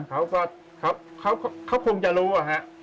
เขาก็เขาคงจะรู้อะฮะ